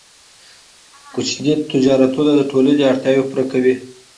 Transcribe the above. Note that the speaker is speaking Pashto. کوچني تجارتونه د ټولنې اړتیاوې پوره کوي.